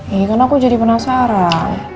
eh kan aku jadi penasaran